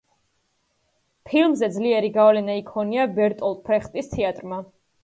ფილმზე ძლიერი გავლენა იქონია ბერტოლტ ბრეხტის თეატრმა.